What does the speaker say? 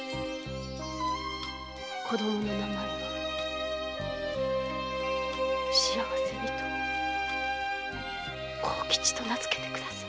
子供の名前を幸せにと「幸吉」と名付けてください。